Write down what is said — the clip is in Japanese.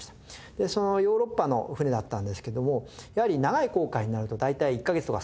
でそのヨーロッパの船だったんですけれどもやはり長い航海になると大体１カ月とか。